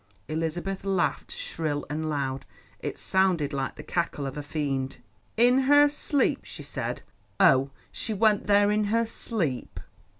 Elizabeth laughed shrill and loud—it sounded like the cackle of a fiend. "In her sleep," she said; "oh, she went there in her sleep!"